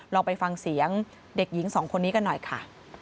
ลองไปฟังเสียงเด็กหญิงสองคนนี้กันหน่อยค่ะ